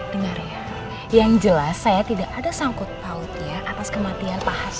dengar ya yang jelas saya tidak ada sangkut pautnya atas kematian pak hartawan